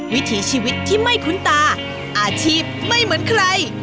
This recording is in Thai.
วิถีชีวิตที่ไม่คุ้นตาอาชีพไม่เหมือนใคร